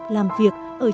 làm việc ở trong các cơ sở